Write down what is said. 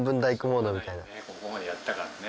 ここまでやったからね。